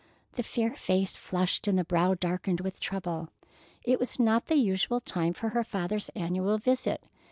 The fair face flushed and the brow darkened with trouble. It was not the usual time for her father's annual visit.